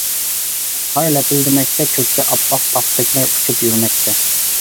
قار لەپىلدىمەكتە كۆكتە ئاپئاق پاختەكلەر ئۇچۇپ يۈرمەكتە.